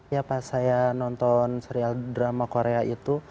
ya pas saya nonton serial drama korea itu